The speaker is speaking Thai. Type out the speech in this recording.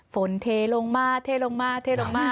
เทลงมาเทลงมาเทลงมา